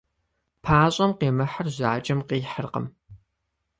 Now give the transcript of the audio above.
Пащӏэм къимыхьыр жьакӏэм къихьыркъым.